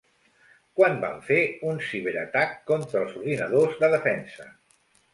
Quan van fer un ciberatac contra els ordinadors de defensa?